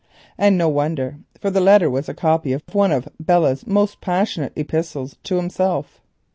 Nor was this wonderful, for the letter was a copy of one of Belle's most passionate epistles to himself.